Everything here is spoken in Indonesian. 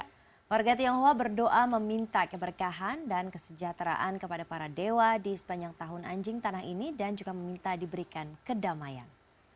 keluarga tionghoa berdoa meminta keberkahan dan kesejahteraan kepada para dewa di sepanjang tahun anjing tanah ini dan juga meminta diberikan kedamaian